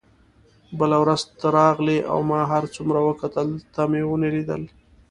بله ورځ ته راغلې او ما هر څومره وکتل تا مې ونه لیدل.